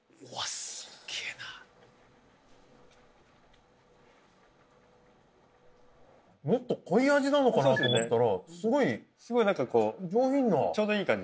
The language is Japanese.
すっげえなもっと濃い味なのかなと思ったらそうですねすごい上品なちょうどいい感じ